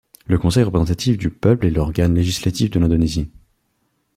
Le Conseil représentatif du peuple est l'organe législatif de l'Indonésie.